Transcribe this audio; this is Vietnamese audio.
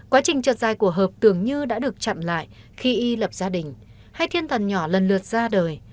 quá trình trượt dài của hợp tưởng như đã được chặn lại khi y lập gia đình hay thiên thần nhỏ lần lượt ra đời